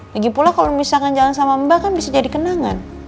lagipula kalo misalkan jalan sama mbak kan bisa jadi kenangan